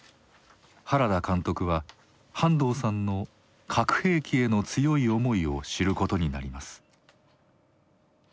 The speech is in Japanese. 原田監督は半藤さんの「核兵器」への強い思いを知ることになります。